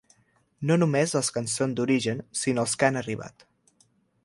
No només dels que en són d’origen, sinó els que han arribat.